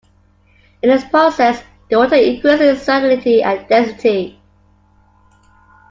In this process, the water increases in salinity and density.